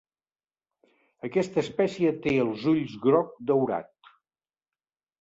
Aquesta espècie té els ulls groc daurat.